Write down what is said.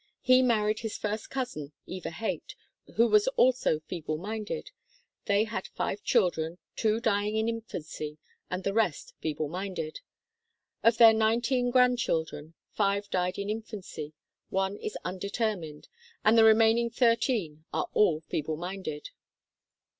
He married his first cousin, Eva Haight, who was also feeble minded. They had five children, two dying in infancy, and the rest feeble minded. Of their nineteen grandchildren, five died in infancy, one is undetermined, and the remaining thirteen are all feeble minded.